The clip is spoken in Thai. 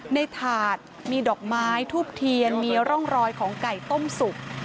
ถาดมีดอกไม้ทูบเทียนมีร่องรอยของไก่ต้มสุก